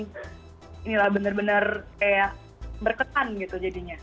inilah bener bener kayak berkesan gitu jadinya